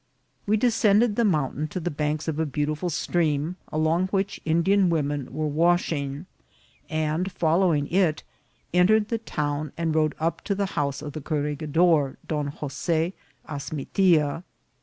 We descended the mountain to the banks of a beautiful stream, along which Indian women were washing ; and following it, entered the town, and rode up to the house of the corregidor, Don Jos6 Azmitia.